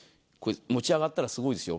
持ち上がったらすごいですよ。